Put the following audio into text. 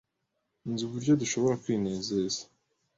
Nzi uburyo dushobora kwinezeza.